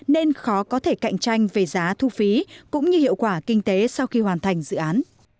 nên khó có thể cạnh tranh về giá thu phí cũng như hiệu quả kinh tế sau khi hoàn thành dự án